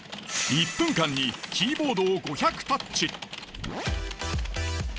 １分間にキーボードを５００タッチ。